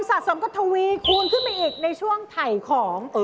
อย่างที่สองเงินสะสมกระทวีคูณขึ้นมาอีกในช่วงไถ่ของ